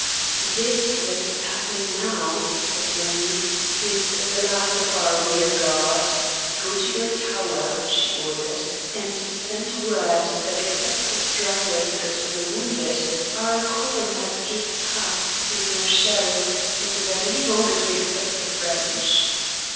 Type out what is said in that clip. "This, that is passing now," said Marie, "is the last of our rear guard. Go to your tower," she ordered, "and send word that except for stragglers and the wounded our column has just passed through Neufchelles, and that any moment we expect the French."